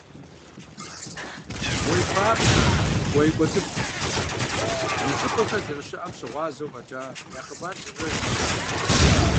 «Гъуей къуапщэ», «Гъуеикъуэ цӀыкӀу» – мы щӀыпӀэхэр зэрыщыӀэм щыгъуазэу фӀэкӀа, я хъыбар зыщӀэж дгъуэтакъым.